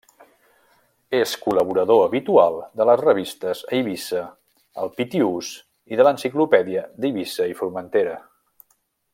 És col·laborador habitual de les revistes Eivissa, El Pitiús i de l’Enciclopèdia d'Eivissa i Formentera.